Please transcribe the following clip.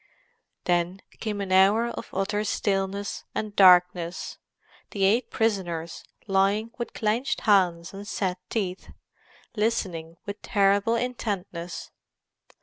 Then came an hour of utter stillness and darkness; the eight prisoners lying with clenched hands and set teeth, listening with terrible intentness.